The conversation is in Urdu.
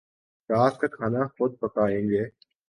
رات کا کھانا خود پکائیں گے